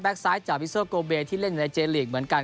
แบ็กซ้ายจากวิสเซอร์โกเบที่เล่นอยู่ในเจรียร์หลีกเหมือนกัน